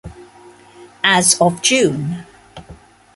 As of June.